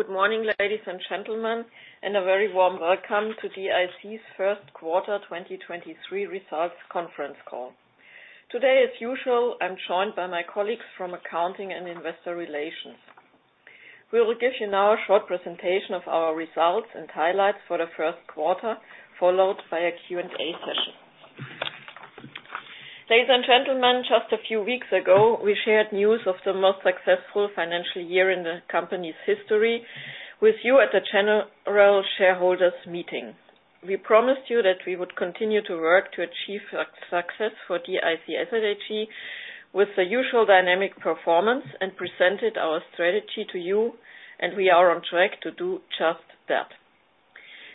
Good morning, ladies and gentlemen, a very warm welcome to DIC's First Quarter 2023 Results Conference call. Today, as usual, I'm joined by my colleagues from accounting and investor relations. We will give you now a short presentation of our results and highlights for the first quarter, followed by a Q&A session. Ladies and gentlemen, just a few weeks ago, we shared news of the most successful financial year in the company's history with you at the general shareholders meeting. We promised you that we would continue to work to achieve success for DIC Asset AG with the usual dynamic performance and presented our strategy to you. We are on track to do just that.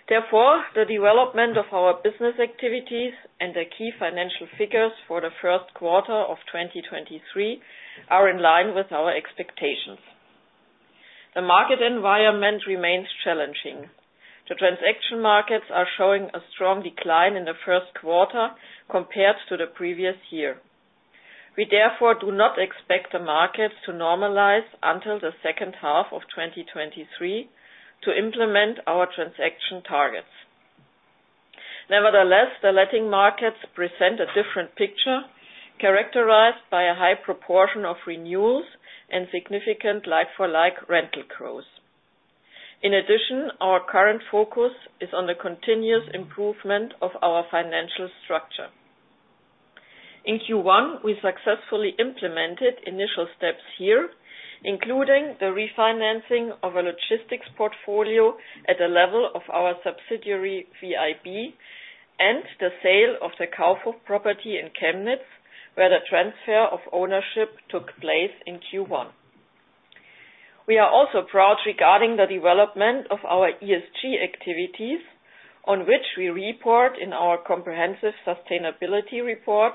The development of our business activities and the key financial figures for the first quarter of 2023 are in line with our expectations. The market environment remains challenging. The transaction markets are showing a strong decline in the first quarter compared to the previous year. We therefore do not expect the markets to normalize until the second half of 2023 to implement our transaction targets. Nevertheless, the letting markets present a different picture characterized by a high proportion of renewals and significant like-for-like rental growth. In addition, our current focus is on the continuous improvement of our financial structure. In Q1, we successfully implemented initial steps here, including the refinancing of a logistics portfolio at the level of our subsidiary, VIB, and the sale of the Kaufhof property in Chemnitz, where the transfer of ownership took place in Q1. We are also proud regarding the development of our ESG activities on which we report in our comprehensive sustainability report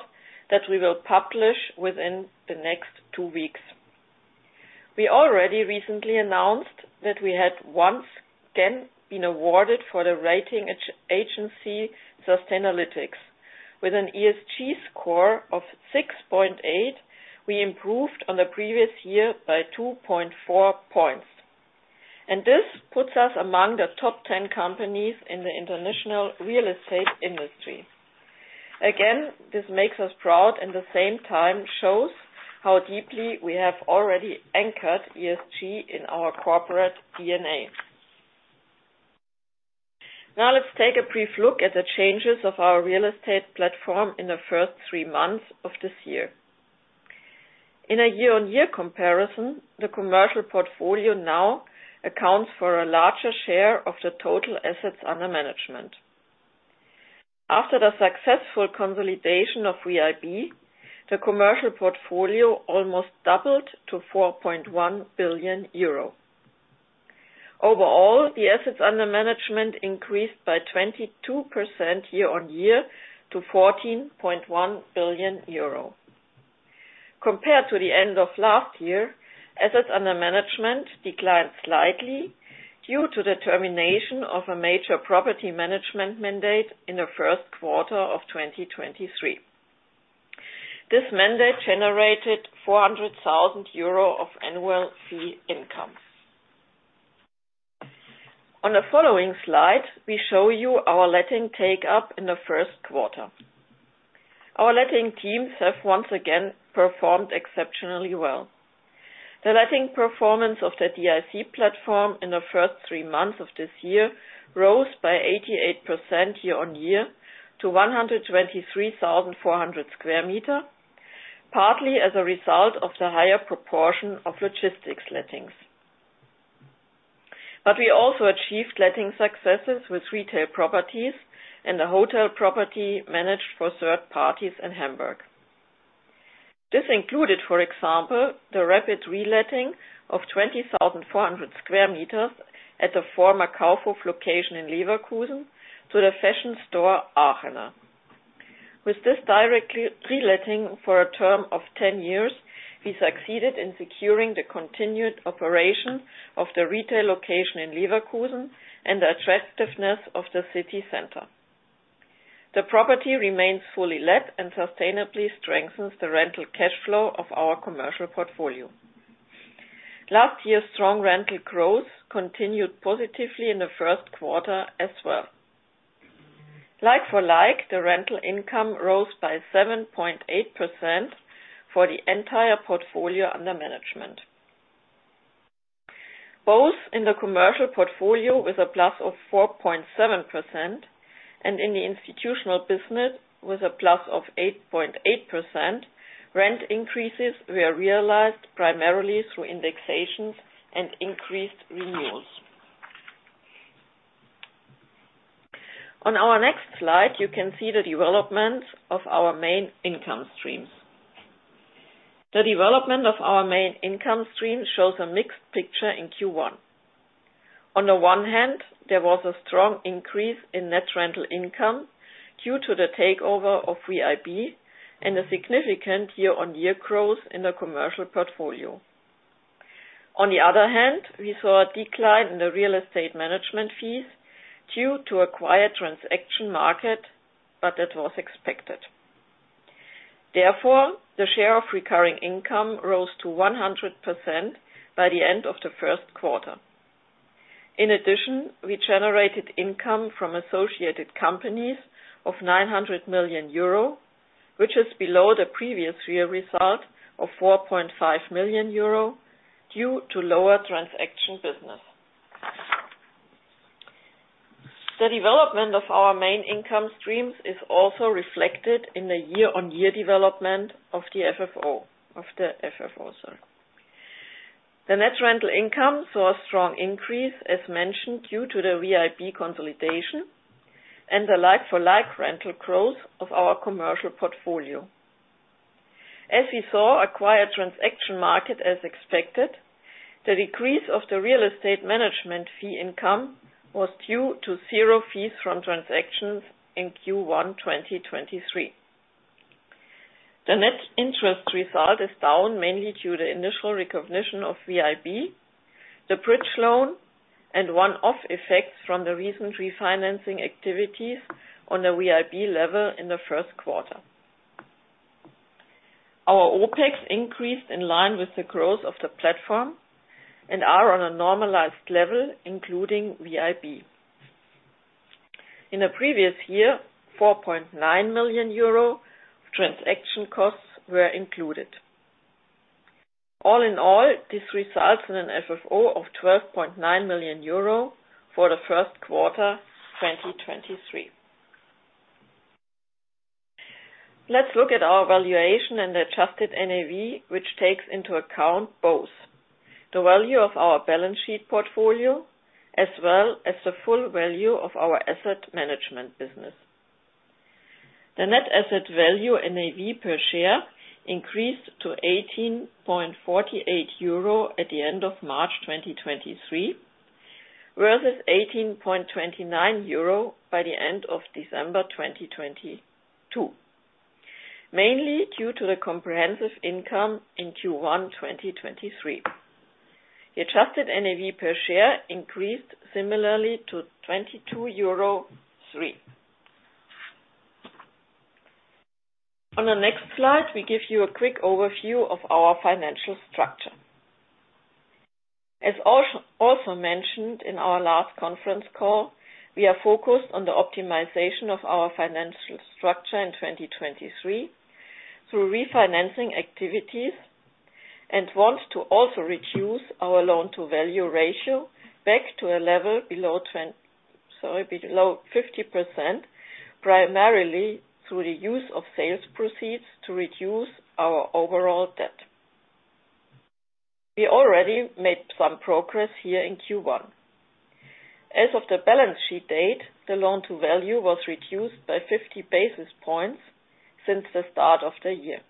that we will publish within the next two weeks. We already recently announced that we had once again been awarded for the rating agency Sustainalytics. With an ESG score of 6.8, we improved on the previous year by 2.4 points. This puts us among the 10 companies in the international real estate industry. Again, this makes us proud, and the same time shows how deeply we have already anchored ESG in our corporate DNA. Now let's take a brief look at the changes of our real estate platform in the first three months of this year. In a year-on-year comparison, the commercial portfolio now accounts for a larger share of the total assets under management. After the successful consolidation of VIB, the commercial portfolio almost doubled to 4.1 billion euro. Overall, the assets under management increased by 22% year-on-year to 14.1 billion euro. Compared to the end of last year, assets under management declined slightly due to the termination of a major property management mandate in the first quarter of 2023. This mandate generated 400,000 euro of annual fee income. On the following slide, we show you our letting take-up in the first quarter. Our letting teams have once again performed exceptionally well. The letting performance of the DIC platform in the first three months of this year rose by 88% year-over-year to 123,400 square meter, partly as a result of the higher proportion of logistics lettings. We also achieved letting successes with retail properties and the hotel property managed for third parties in Hamburg. This included, for example, the rapid reletting of 20,400 square meters at the former Kaufhof location in Leverkusen to the fashion store Aachener. With this direct reletting for a term of 10 years, we succeeded in securing the continued operation of the retail location in Leverkusen and the attractiveness of the city center. The property remains fully let and sustainably strengthens the rental cash flow of our commercial portfolio. Last year's strong rental growth continued positively in the first quarter as well. Like-for-like, the rental income rose by 7.8% for the entire portfolio under management. Both in the commercial portfolio with a plus of 4.7% and in the institutional business with a plus of 8.8%, rent increases were realized primarily through indexations and increased renewals. Our next slide, you can see the development of our main income streams. The development of our main income stream shows a mixed picture in Q1. There was a strong increase in net rental income due to the takeover of VIB and a significant year-on-year growth in the commercial portfolio. We saw a decline in the real estate management fees due to a quiet transaction market, but that was expected. The share of recurring income rose to 100% by the end of the first quarter. We generated income from associated companies of 900 million euro, which is below the previous year result of 4.5 million euro due to lower transaction business. The development of our main income streams is also reflected in the year-on-year development of the FFO, sorry. The net rental income saw a strong increase as mentioned due to the VIB consolidation and the like-for-like rental growth of our commercial portfolio. As we saw, acquired transaction market as expected, the decrease of the real estate management fee income was due to 0 fees from transactions in Q1 2023. The net interest result is down mainly due to the initial recognition of VIB, the bridge loan and one-off effects from the recent refinancing activities on the VIB level in the first quarter. Our OpEx increased in line with the growth of the platform and are on a normalized level, including VIB. In the previous year, 4.9 million euro transaction costs were included. All in all, this results in an FFO of 12.9 million euro for the first quarter 2023. Let's look at our valuation and adjusted NAV which takes into account both: the value of our balance sheet portfolio as well as the full value of our asset management business. The NAV per share increased to 18.48 euro at the end of March 2023, versus 18.29 euro by the end of December 2022, mainly due to the comprehensive income in Q1, 2023. The adjusted NAV per share increased similarly to EUR 22.03. On the next slide, we give you a quick overview of our financial structure. As also mentioned in our last conference call, we are focused on the optimization of our financial structure in 2023 through refinancing activities and want to also reduce our loan to value ratio back to a level below 50%, primarily through the use of sales proceeds to reduce our overall debt. We already made some progress here in Q1. As of the balance sheet date, the loan to value was reduced by 50 basis points since the start of the year,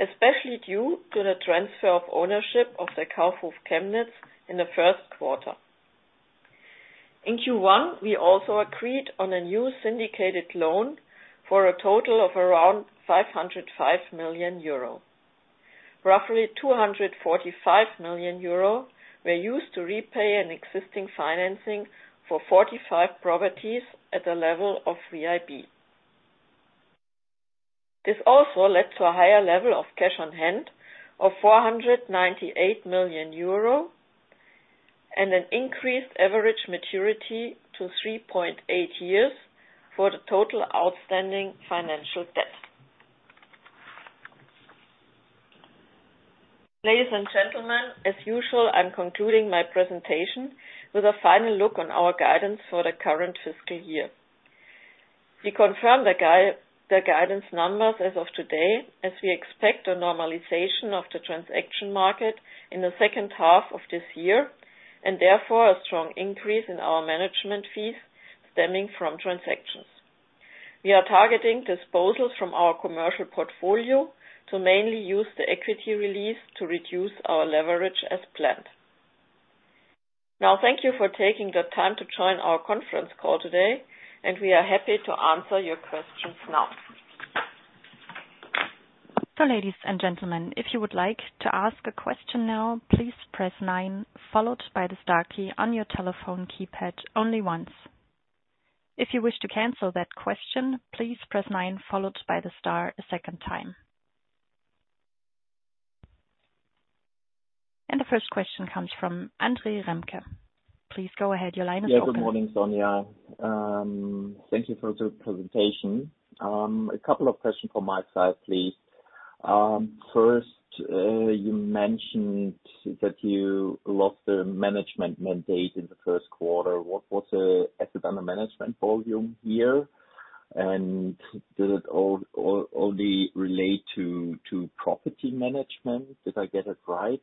especially due to the transfer of ownership of the Kaufhof Chemnitz in the first quarter. In Q1, we also agreed on a new syndicated loan for a total of around 505 million euro. Roughly 245 million euro were used to repay an existing financing for 45 properties at the level of VIB. This also led to a higher level of cash on hand of 498 million euro and an increased average maturity to 3.8 years for the total outstanding financial debt. Ladies and gentlemen, as usual, I'm concluding my presentation with a final look on our guidance for the current fiscal year. We confirm the guidance numbers as of today as we expect a normalization of the transaction market in the second half of this year and therefore a strong increase in our management fees stemming from transactions. We are targeting disposals from our commercial portfolio to mainly use the equity release to reduce our leverage as planned. Thank you for taking the time to join our conference call today, and we are happy to answer your questions now. Ladies and gentlemen, if you would like to ask a question now, please press 9 followed by the star key on your telephone keypad only once. If you wish to cancel that question, please press 9 followed by the star a second time. The first question comes from André Remke. Please go ahead. Your line is open. Good morning, Sonja. Thank you for the presentation. A couple of questions from my side, please. First, you mentioned that you lost the management mandate in the first quarter. What was the assets under management volume here? Did it only relate to property management? Did I get it right?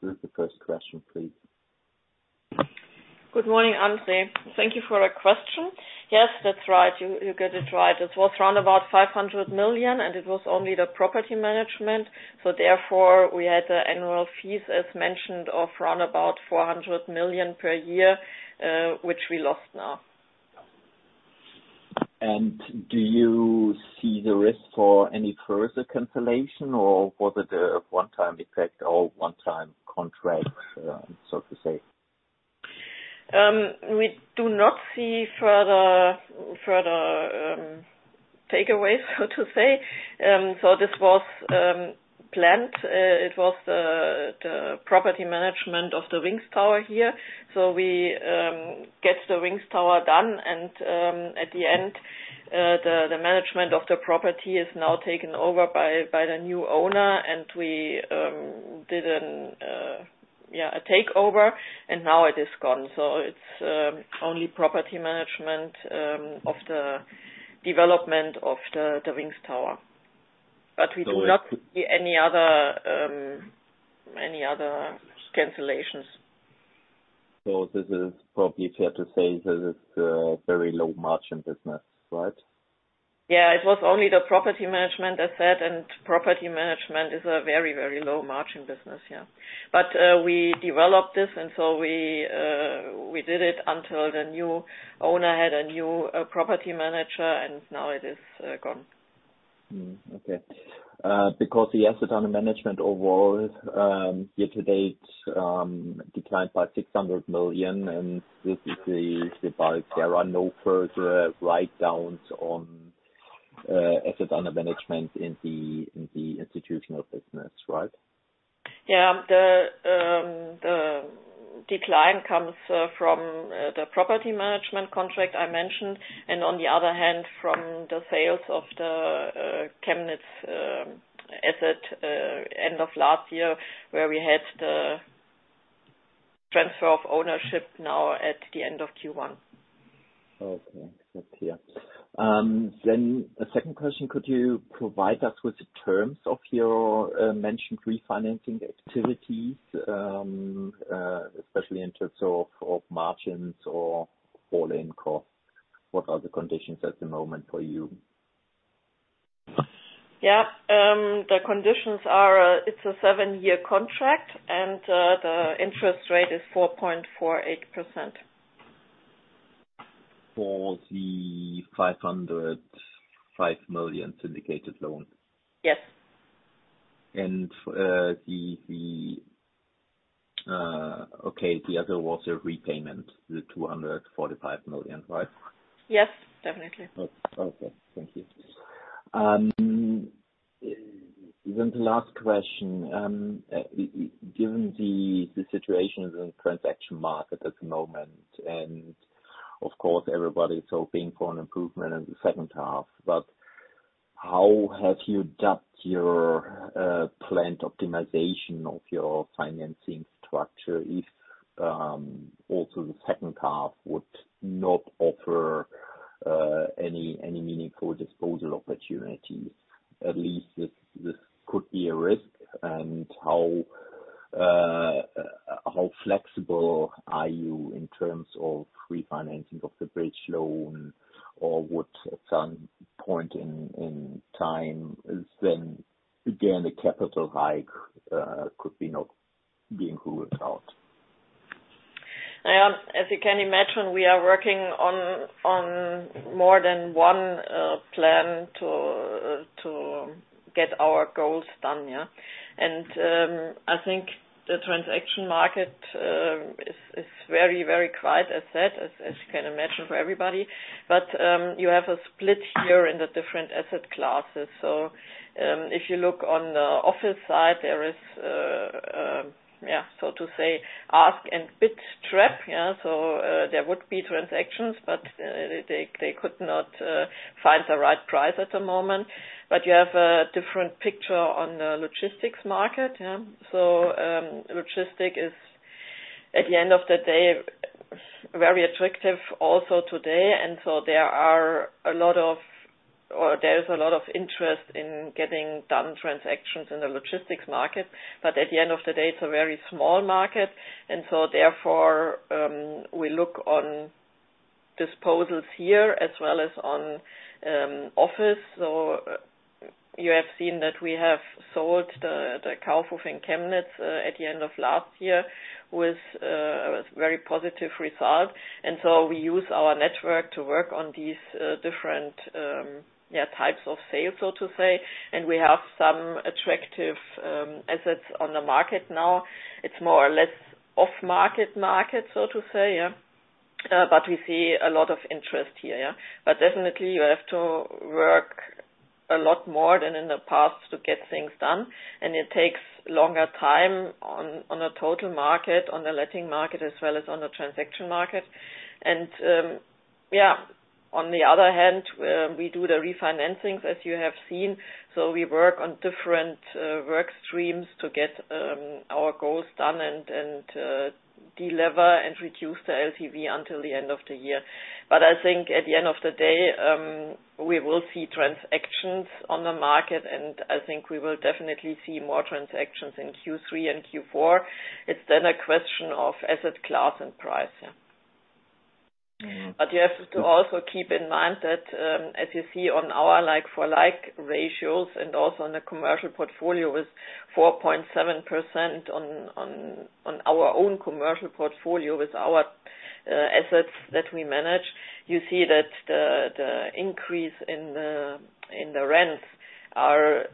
This is the first question, please. Good morning, Andre. Thank you for the question. Yes, that's right. You get it right. It was around about 500 million, and it was only the property management, so therefore we had the annual fees, as mentioned, of around about 400 million per year, which we lost now. Do you see the risk for any further cancellation, or was it a one-time effect or one-time contract, so to say? We do not see further takeaways, so to say. This was planned. It was the property management of the Rings Tower here. We get the Rings Tower done and at the end, the management of the property is now taken over by the new owner and we did a takeover, and now it is gone. It's only property management of the development of the Rings Tower. We do not see any other cancellations. This is probably fair to say this is, very low margin business, right? It was only the property management asset, and property management is a very, very low margin business. We developed this, we did it until the new owner had a new property manager. Now it is gone. The asset under management overall, year-to-date, declined by 600 million, and this is the part there are no further write-downs on assets under management in the institutional business, right? The decline comes from the property management contract I mentioned, and on the other hand, from the sales of the Chemnitz asset end of last year, where we had the transfer of ownership now at the end of Q1. Okay. That's clear. A second question, could you provide us with the terms of your mentioned refinancing activities, especially in terms of margins or all-in cost? What are the conditions at the moment for you? Yeah. The conditions are, it's a seven-year contract and the interest rate is 4.48%. For the 505 million syndicated loan? Yes. For the, okay, the other was a repayment, the 245 million, right? Yes, definitely. Okay. Thank you. The last question, given the situation in transaction market at the moment, and of course, everybody is hoping for an improvement in the second half, but how have you adapt your planned optimization of your financing structure if, also the second half would not offer any meaningful disposal opportunity? At least this could be a risk. How flexible are you in terms of refinancing of the bridge loan? Would at some point in time is then again, the capital hike, could be not being ruled out? As you can imagine, we are working on more than one plan to get our goals done. I think the transaction market is very, very quiet asset, as you can imagine for everybody. You have a split here in the different asset classes. If you look on the office side, there is so to say, ask and bid trap. There would be transactions, but they could not find the right price at the moment. You have a different picture on the logistics market. Logistic is, at the end of the day, very attractive also today. There are a lot of, or there's a lot of interest in getting done transactions in the logistics market. At the end of the day, it's a very small market and so therefore, we look on disposals here as well as on office. You have seen that we have sold the Kaufhof in Chemnitz at the end of last year with a very positive result. We use our network to work on these different, yeah, types of sales, so to say. We have some attractive assets on the market now. It's more or less off market, so to say, yeah. We see a lot of interest here, yeah. Definitely you have to work a lot more than in the past to get things done, and it takes longer time on a total market, on the letting market as well as on the transaction market. Yeah, on the other hand, we do the refinancings as you have seen. We work on different work streams to get our goals done and delever and reduce the LTV until the end of the year. I think at the end of the day, we will see transactions on the market, and I think we will definitely see more transactions in Q3 and Q4. It's then a question of asset class and price. You have to also keep in mind that, as you see on our like-for-like ratios and also on the commercial portfolio with 4.7% on our own commercial portfolio with our assets that we manage, you see that the increase in the rents are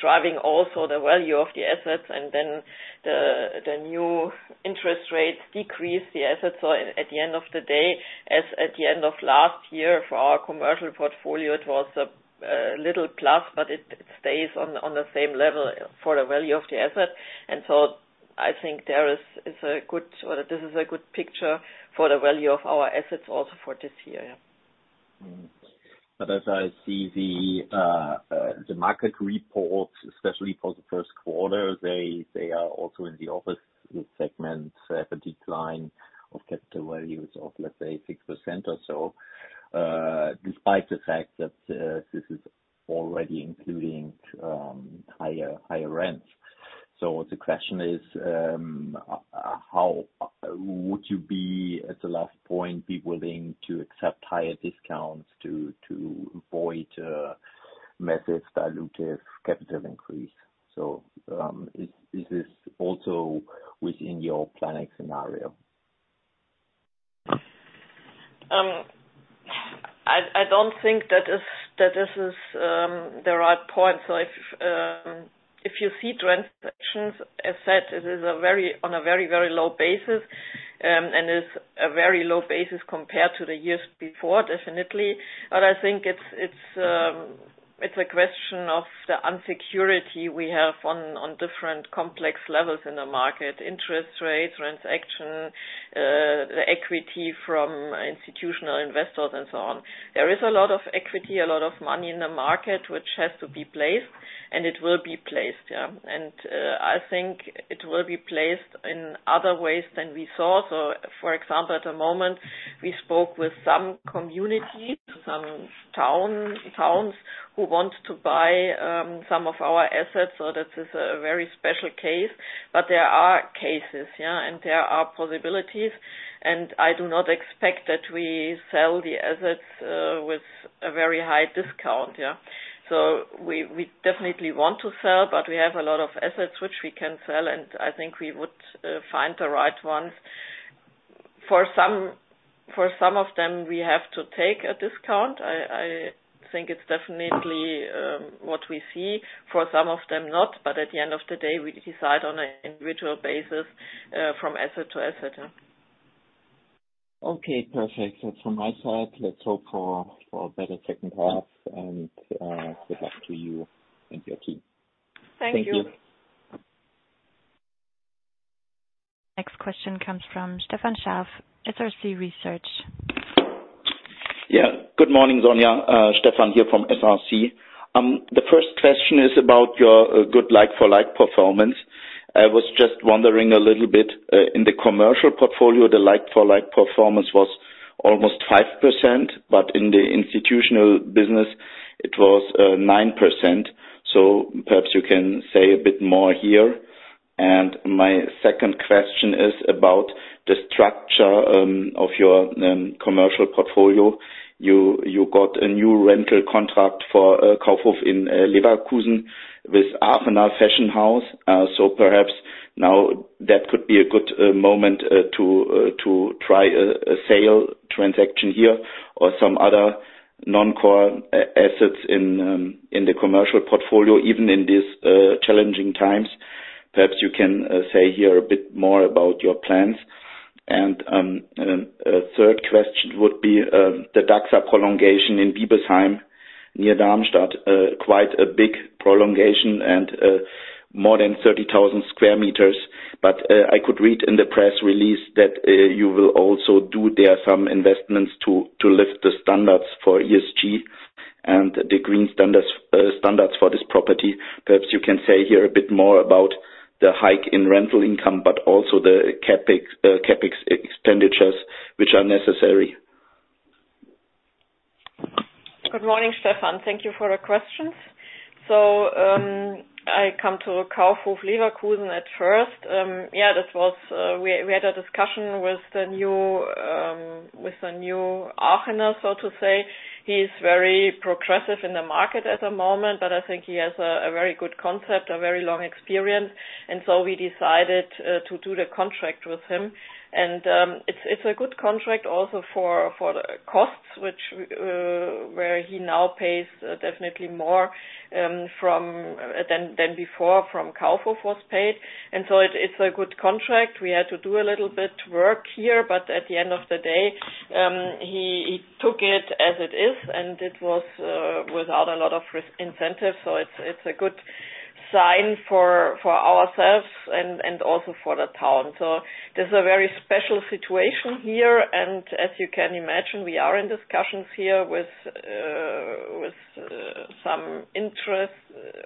driving also the value of the assets and then the new interest rates decrease the assets. At the end of the day, as at the end of last year for our commercial portfolio, it was a little plus, but it stays on the same level for the value of the asset. I think there is a good or this is a good picture for the value of our assets also for this year. As I see the market reports, especially for Q1, they are also in the office segment. You have a decline of capital values of, let's say, 6% or so, despite the fact that this is already including higher rents. The question is, how would you be at the last point, be willing to accept higher discounts to avoid a massive dilutive capital increase? Is this also within your planning scenario? I don't think that is, that this is the right point. If, if you see transactions, as said, it is a very... on a very, very low basis, and is a very low basis compared to the years before, definitely. I think it's, it's a question of the insecurity we have on different complex levels in the market, interest rates, transaction, the equity from institutional investors and so on. There is a lot of equity, a lot of money in the market which has to be placed, and it will be placed, yeah. I think it will be placed in other ways than we saw. For example, at the moment, we spoke with some communities, some towns who want to buy some of our assets. This is a very special case. There are cases, there are possibilities, I do not expect that we sell the assets with a very high discount. We definitely want to sell, we have a lot of assets which we can sell, I think we would find the right ones. For some of them, we have to take a discount. I think it's definitely what we see. For some of them, not. At the end of the day, we decide on an individual basis from asset to asset. Okay, perfect. That's from my side. Let's hope for a better second half and good luck to you and your team. Thank you. Thank you. Next question comes from Stefan Scharff, SRC Research. Good morning, Sonja. Stefan here from SRC Research. The first question is about your good like-for-like performance. I was just wondering a little bit, in the commercial portfolio, the like-for-like performance was almost 5%, but in the institutional business it was 9%. Perhaps you can say a bit more here. My second question is about the structure of your commercial portfolio. You, you got a new rental contract for Kaufhof in Leverkusen with Aachener Modehaus. Perhaps now that could be a good moment to try a sale transaction here or some other non-core assets in the commercial portfolio, even in these challenging times. Perhaps you can say here a bit more about your plans. A third question would be the Dachser prolongation in Biebesheim near Darmstadt. Quite a big prolongation and more than 30,000 square meters. I could read in the press release that you will also do there some investments to lift the standards for ESG and the green standards for this property. Perhaps you can say here a bit more about the hike in rental income, but also the CapEx expenditures which are necessary. Good morning, Stefan. Thank you for the questions. I come to Kaufhof Leverkusen at first. That was, we had a discussion with the new, with the new Aachener, so to say. He's very progressive in the market at the moment, but I think he has a very good concept, a very long experience. We decided to do the contract with him. It's a good contract also for the costs which where he now pays definitely more from than before from Kaufhof was paid. It's a good contract. We had to do a little bit work here, but at the end of the day, he took it as it is, and it was without a lot of risk incentives. It's a good sign for ourselves and also for the town. This is a very special situation here. As you can imagine, we are in discussions here with some interest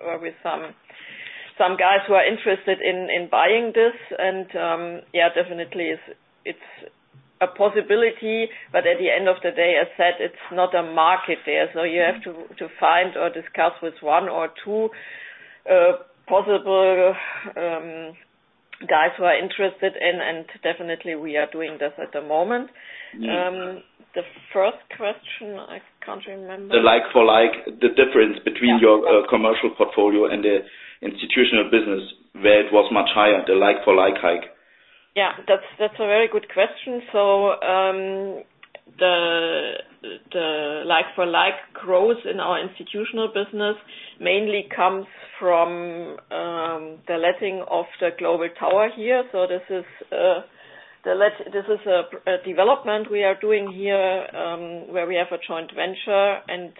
or with some guys who are interested in buying this. Yeah, definitely it's a possibility. At the end of the day, as said, it's not a market there. You have to find or discuss with one or two possible guys who are interested in and definitely we are doing this at the moment. The first question, I can't remember. The like-for-like, the difference between your, commercial portfolio and the institutional business where it was much higher, the like-for-like hike. Yeah. That's a very good question. The like-for-like growth in our institutional business mainly comes from the letting of the Global Tower here. This is a development we are doing here, where we have a joint venture, and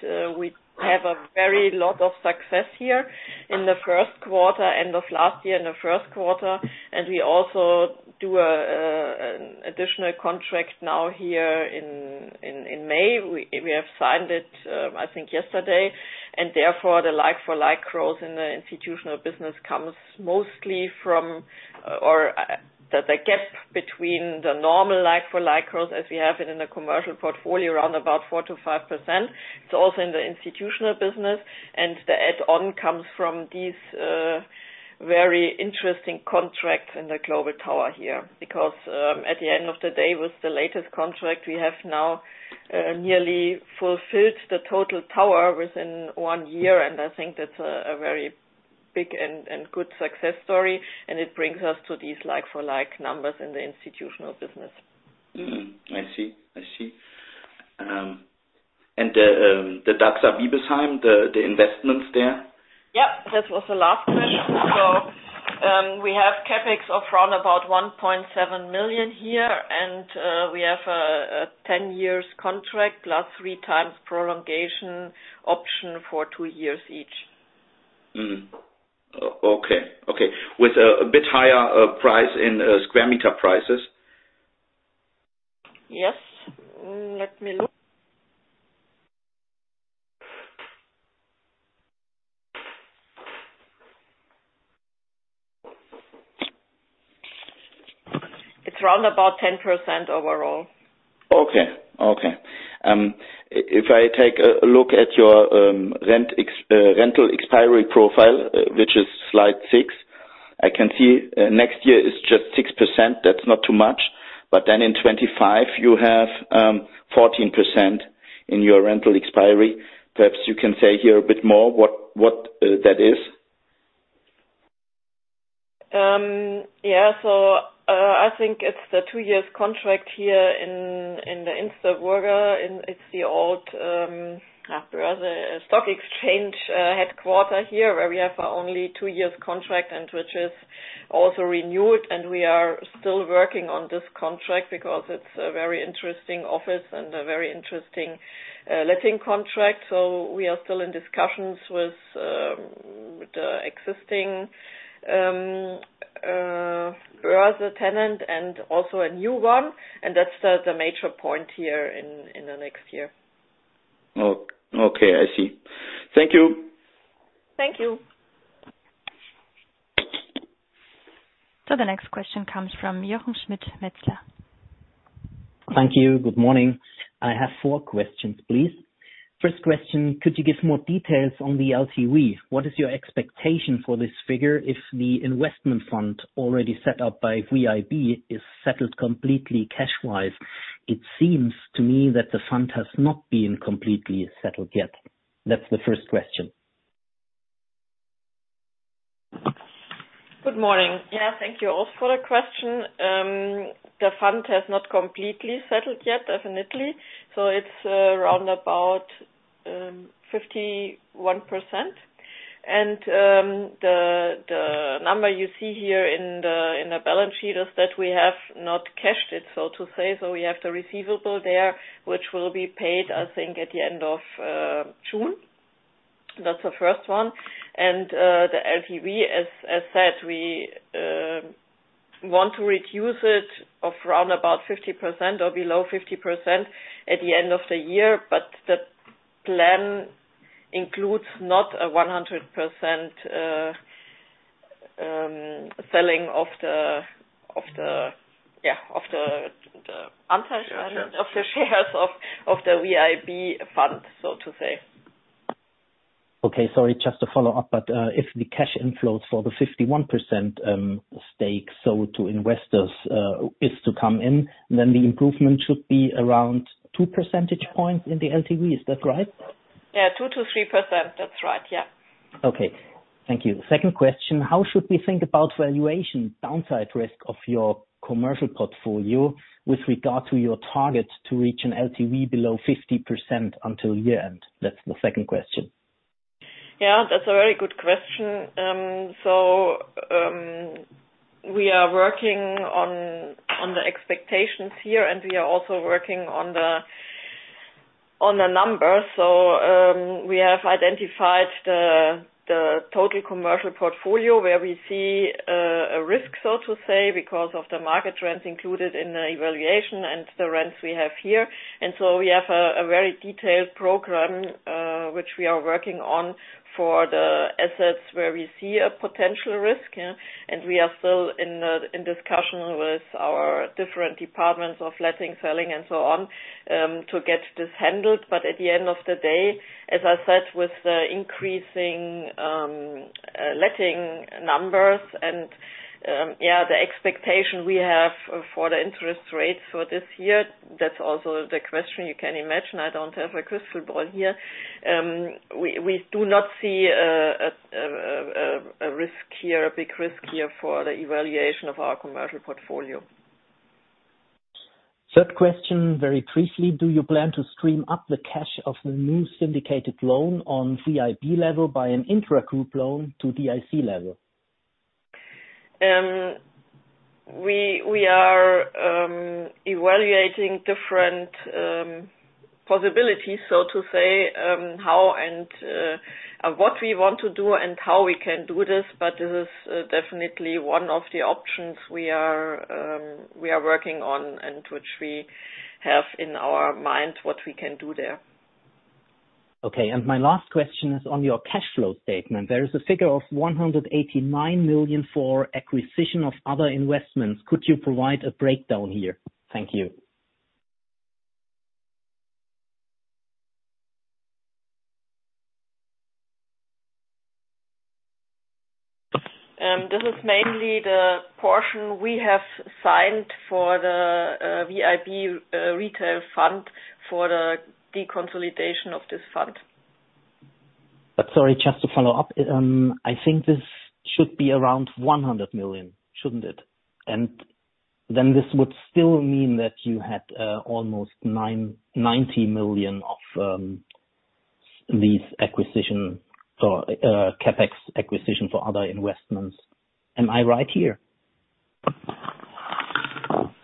we have a very lot of success here in the first quarter, end of last year, in the first quarter. We also do an additional contract now here in May. We have signed it, I think yesterday. Therefore the like-for-like growth in the institutional business comes mostly from. The gap between the normal like-for-like growth as we have it in the commercial portfolio, around about 4% to 5%. It's also in the institutional business. The add-on comes from these very interesting contracts in the Global Tower here. Because, at the end of the day, with the latest contract, we have now nearly fulfilled the total tower within 1 year. I think that's a very big and good success story, and it brings us to these like-for-like numbers in the institutional business. I see. I see. The Dachser in Biebesheim, the investments there? Yeah, that was the last question. We have CapEx of around about 1.7 million here, and we have a 10 years contract plus three times prolongation option for two years each. Okay, okay. With a bit higher price in square meter prices? Yes. Let me look. It's around about 10% overall. Okay, okay. If I take a look at your rental expiry profile, which is slide 6, I can see next year is just 6%. In 2025 you have 14% in your rental expiry. Perhaps you can say here a bit more what that is. I think it's the 2 years contract here in the uncertain. It's the old rather stock exchange headquarter here, where we have only 2 years contract and which is also renewed, and we are still working on this contract because it's a very interesting office and a very interesting letting contract. We are still in discussions with the existing tenant and also a new one, and that's the major point here in the next year. Okay, I see. Thank you. Thank you. The next question comes from Jochen Schmitt, Metzler. Thank you. Good morning. I have 4 questions, please. First question, could you give more details on the LTV? What is your expectation for this figure if the investment fund already set up by VIB is settled completely cash-wise? It seems to me that the fund has not been completely settled yet. That's the first question. Good morning. Yeah, thank you also for the question. The fund has not completely settled yet, definitely. It's around about 51%. The number you see here in the balance sheet is that we have not cashed it, so to say. We have the receivable there, which will be paid, I think, at the end of June. That's the first one. The LTV, as said, we want to reduce it of around about 50% or below 50% at the end of the year. The plan includes not a 100% selling of the, yeah, of the Shares. Of the shares of the VIB fund, so to say. Okay, sorry, just to follow up, if the cash inflows for the 51% stake sold to investors, is to come in, then the improvement should be around 2 percentage points in the LTV, is that right? Yeah, 2%-3%. That's right, yeah. Okay. Thank you. Second question, how should we think about valuation downside risk of your commercial portfolio with regard to your target to reach an LTV below 50% until year-end? That's the second question. That's a very good question. We are working on the expectations here, and we are also working on the numbers. We have identified the total commercial portfolio where we see a risk, so to say, because of the market trends included in the evaluation and the rents we have here. We have a very detailed program which we are working on for the assets where we see a potential risk. We are still in discussion with our different departments of letting, selling and so on, to get this handled. At the end of the day, as I said, with the increasing letting numbers and the expectation we have for the interest rates for this year, that's also the question you can imagine. I don't have a crystal ball here. We do not see a risk here, a big risk here for the evaluation of our commercial portfolio. Third question, very briefly, do you plan to stream up the cash of the new syndicated loan on VIB level by an intra group loan to DIC level? We are evaluating different possibilities, so to say, how and what we want to do and how we can do this. This is definitely one of the options we are working on and which we have in our minds what we can do there. Okay. My last question is on your cash flow statement. There is a figure of 189 million for acquisition of other investments. Could you provide a breakdown here? Thank you. This is mainly the portion we have signed for the VIB retail fund for the deconsolidation of this fund. Sorry, just to follow up. I think this should be around 100 million, shouldn't it? Then this would still mean that you had almost 90 million of these acquisition, or CapEx acquisition for other investments. Am I right here?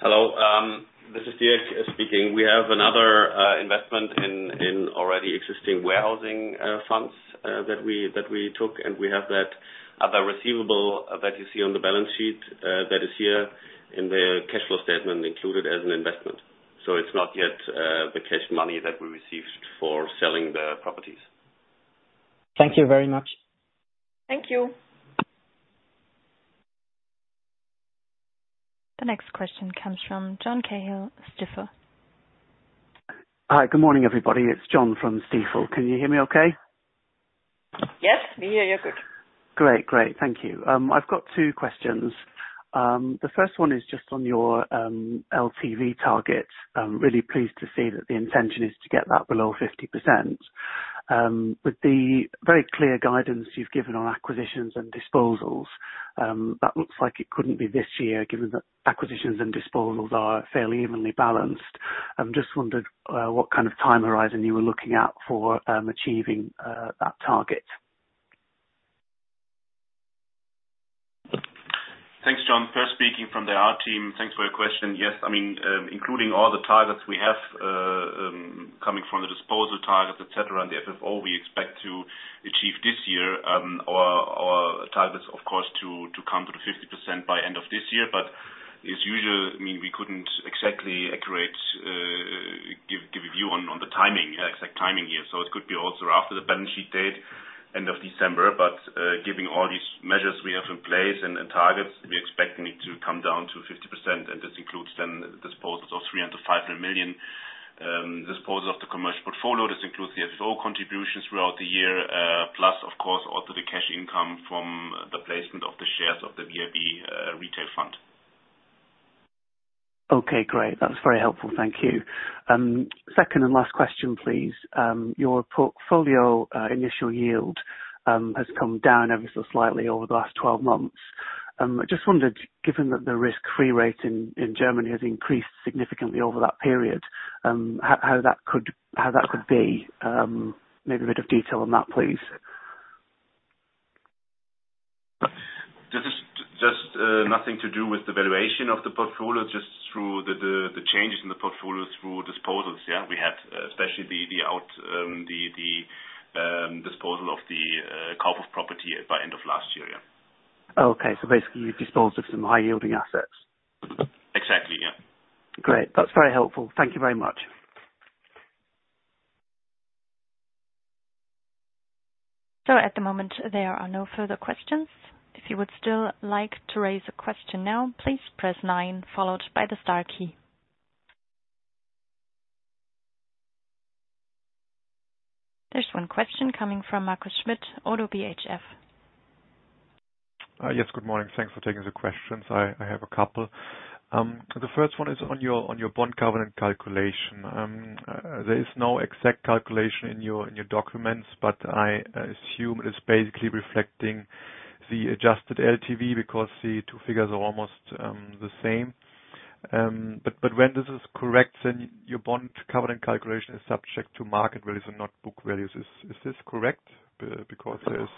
Hello. This is Dirk speaking. We have another investment in already existing warehousing funds that we took, and we have that other receivable that you see on the balance sheet that is here in the cash flow statement included as an investment. It's not yet the cash money that we received for selling the properties. Thank you very much. Thank you. The next question comes from Jan-Niklas Höh, Stifel. Hi. Good morning, everybody. It's Jan from Stifel. Can you hear me okay? Yes, we hear you good. Great. Great. Thank you. I've got two questions. The first one is just on your LTV target. I'm really pleased to see that the intention is to get that below 50%. With the very clear guidance you've given on acquisitions and disposals, that looks like it couldn't be this year, given that acquisitions and disposals are fairly evenly balanced. I'm just wondered what kind of time horizon you were looking at for achieving that target. Thanks, Jan. First speaking from the R team. Thanks for your question. Yes. I mean, including all the targets we have, coming from the disposal targets, et cetera, and the FFO we expect to achieve this year, our targets, of course, to come to the 50% by end of this year. As usual, I mean, we couldn't exactly accurate, give a view on the timing, yeah, exact timing here. It could be also after the balance sheet date, end of December. Giving all these measures we have in place and the targets, we expect it to come down to 50%, and this includes then disposals of 300 million-500 million, disposal of the commercial portfolio. This includes the FFO contributions throughout the year, plus of course also the cash income from the placement of the shares of the VIB retail fund. Okay, great. That's very helpful. Thank you. Second and last question, please. Your portfolio initial yield has come down ever so slightly over the last 12 months. I just wondered, given that the risk-free rate in Germany has increased significantly over that period, how that could, how that could be? Maybe a bit of detail on that, please. This is just, nothing to do with the valuation of the portfolio, just through the changes in the portfolio through disposals, yeah. We had especially the disposal of the Kaufhof property by end of last year, yeah. Okay. Basically you've disposed of some high yielding assets. Exactly, yeah. Great. That's very helpful. Thank you very much. At the moment, there are no further questions. If you would still like to raise a question now, please press nine followed by the star key. There's one question coming from Manuel Martin, Oddo BHF. Yes, good morning. Thanks for taking the questions. I have a couple. The first one is on your bond covenant calculation. There is no exact calculation in your documents, but I assume it's basically reflecting the adjusted LTV because the two figures are almost the same. When this is correct, then your bond covenant calculation is subject to market values and not book values. Is this correct? Because there's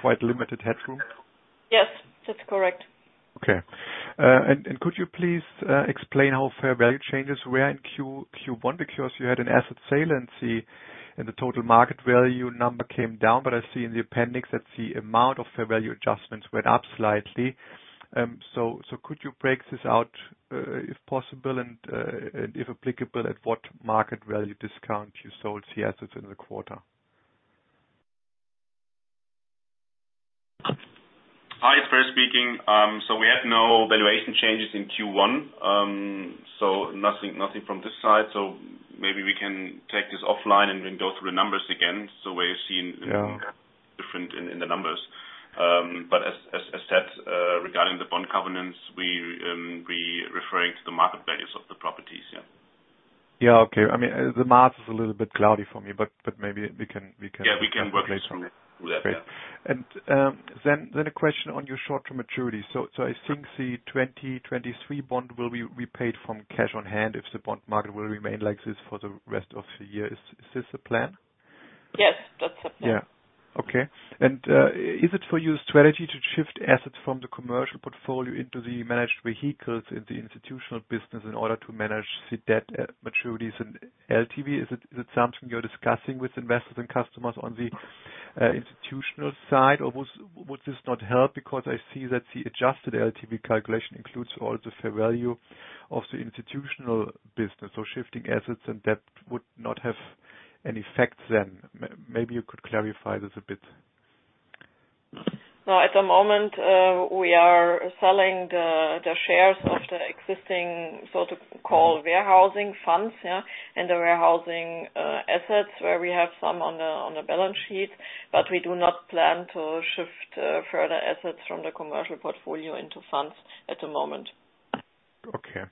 quite limited headroom. Yes, that's correct. Okay. Could you please explain how fair value changes were in Q1 because you had an asset sale and the total market value number came down? I see in the appendix that the amount of fair value adjustments went up slightly. Could you break this out, if possible and, if applicable, at what market value discount you sold the assets in the quarter? Hi. It's First speaking. We had no valuation changes in Q1. Nothing, nothing from this side. Maybe we can take this offline and then go through the numbers again, so where you're seeing- Yeah. -different in the numbers. As said, regarding the bond covenants, we referring to the market values of the properties, yeah. Yeah. Okay. I mean, the math is a little bit cloudy for me, but maybe we can. Yeah, we can work through that. Yeah. Great. A question on your short-term maturity. I think the 2023 bond will be repaid from cash on hand if the bond market will remain like this for the rest of the year. Is this the plan? Yes, that's the plan. Yeah. Okay. Is it for your strategy to shift assets from the commercial portfolio into the managed vehicles in the institutional business in order to manage the debt maturities and LTV? Is it something you're discussing with investors and customers on the institutional side, or would this not help? I see that the adjusted LTV calculation includes all the fair value of the institutional business or shifting assets, and that would not have any effect then. Maybe you could clarify this a bit. No, at the moment, we are selling the shares of the existing, so to call warehousing funds, and the warehousing assets, where we have some on the balance sheet, but we do not plan to shift further assets from the commercial portfolio into funds at the moment. Okay.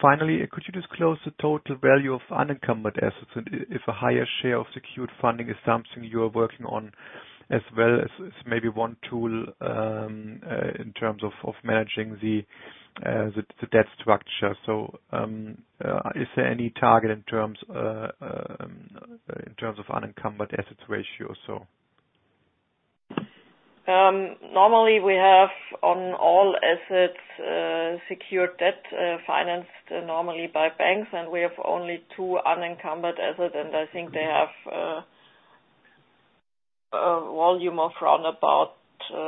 Finally, could you disclose the total value of unencumbered assets and if a higher share of secured funding is something you are working on as maybe one tool in terms of managing the debt structure. Is there any target in terms of unencumbered assets ratio or so? Normally, we have on all assets, secured debt, financed normally by banks, and we have only two unencumbered assets, and I think they have a volume of around about 10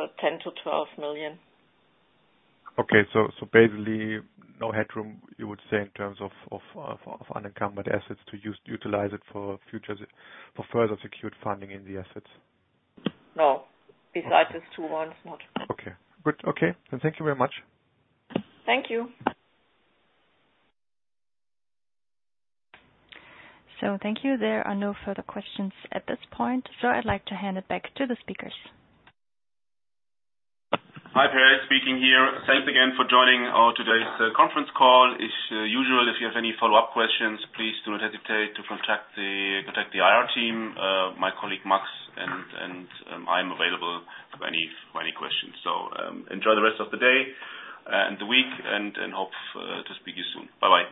million-12 million. Basically, no headroom, you would say, in terms of unencumbered assets to utilize it for further secured funding in the assets. No. Okay. Besides these two ones, not. Okay. Good. Okay. Thank you very much. Thank you. Thank you. There are no further questions at this point. I'd like to hand it back to the speakers. Hi, Peer speaking here. Thanks again for joining today's conference call. If usual, if you have any follow-up questions, please do not hesitate to contact the IR team, my colleague, Max, and I'm available for any questions. Enjoy the rest of the day and the week and hope to speak you soon. Bye-bye.